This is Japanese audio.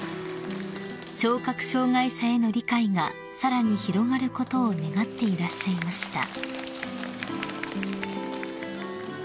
［聴覚障害者への理解がさらに広がることを願っていらっしゃいました］